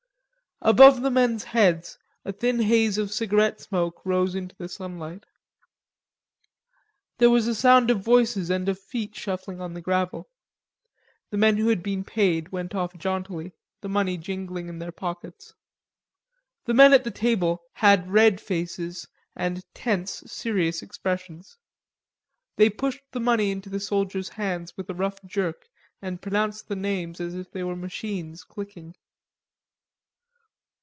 Above the men's heads a thin haze of cigarette smoke rose into the sunlight. There was a sound of voices and of feet shuffling on the gravel. The men who had been paid went off jauntily, the money jingling in their pockets. The men at the table had red faces and tense, serious expressions. They pushed the money into the soldiers' hands with a rough jerk and pronounced the names as if they were machines clicking.